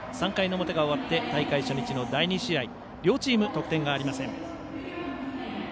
３回の表が終わって大会初日の第２試合両チーム、得点がありません。